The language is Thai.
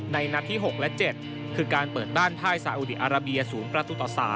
นัดที่๖และ๗คือการเปิดบ้านพ่ายซาอุดีอาราเบีย๐ประตูต่อ๓